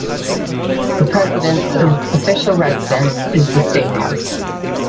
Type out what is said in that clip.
The President's official residence is the State House.